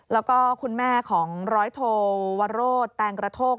แล้วก็คุณแม่ของร้อยโทวโรธแตงกระโทก